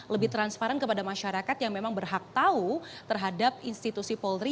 lebih transparan kepada masyarakat yang memang berhak tahu terhadap institusi polri